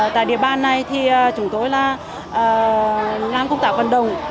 tại địa bàn này thì chúng tôi là làm công tác vận động